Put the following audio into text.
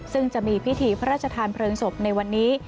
ซึ่งจะมีพิธีพระราชทานเพลิงศพในวันนี้